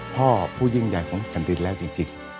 พ่อผู้ยิ่งใหญ่ของแผ่นดินแล้วจริง